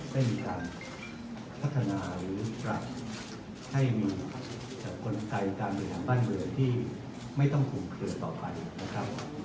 ได้มีการพัฒนาหรือปรับให้มีจากกลไกการเมืองของบ้านเมืองที่ไม่ต้องคุมเคลือต่อไปนะครับ